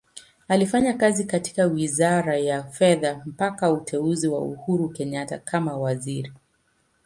Alifanya kazi katika Wizara ya Fedha mpaka uteuzi wa Uhuru Kenyatta kama Waziri.